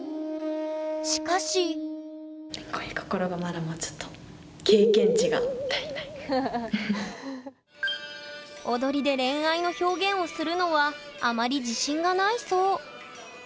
しかし踊りで恋愛の表現をするのはあまり自信がないそう。